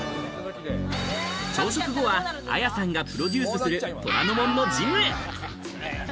朝食後はＡＹＡさんがプロデュースする虎ノ門のジムへ。